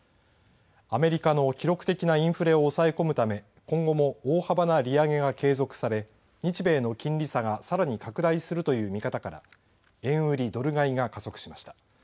アメリカの記録的なインフレを抑え込むため今後も大幅な利上げが継続され日米の金利差がさらに拡大するという見方から円売りドル買いが加速しました。